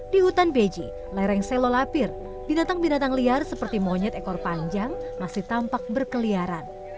di hutan beji lereng selolapir binatang binatang liar seperti monyet ekor panjang masih tampak berkeliaran